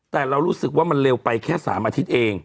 แต่เรารู้สึกว่ามันเร็วไปแค่๓อาทิตย์เอง